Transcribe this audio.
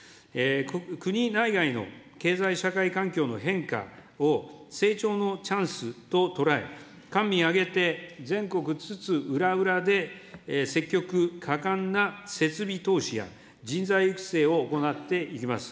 国内外の経済社会環境の変化を成長のチャンスと捉え、官民挙げて全国津々浦々で積極果敢な設備投資や、人材育成を行っていきます。